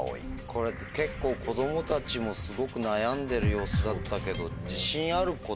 これ結構子供たちもすごく悩んでる様子だったけど。